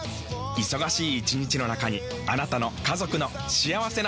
忙しい一日の中にあなたの家族の幸せな時間をつくります。